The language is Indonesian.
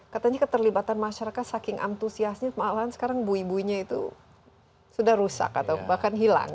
katanya keterlibatan masyarakat saking antusiasnya malahan sekarang bui buinya itu sudah rusak atau bahkan hilang